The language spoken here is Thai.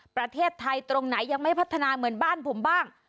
ประเทศไทยตรงไหนยังไม่พัฒนาเหมือนบ้านผมบ้าง